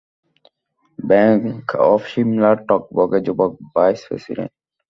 Bank of শিমলার টগবগে যুবক ভাইস- প্রেসিডেন্ট।